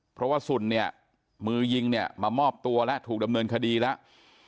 เพราะว่าสุนเนี่ยมือยิงเนี่ยมามอบตัวแล้วถูกดำเนินคดีแล้ว